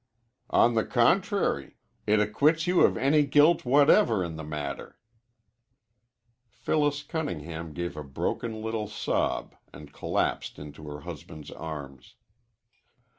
"On the contrary, it acquits you of any guilt whatever in the matter." Phyllis Cunningham gave a broken little sob and collapsed into her husband's arms.